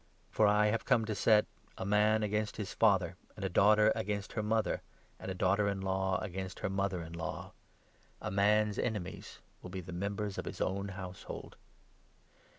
For I have come to set — 'a man against his father, and a daughter against her mother, and a daughter in law against her mother in law. A man's enemies will be the members of his own household.'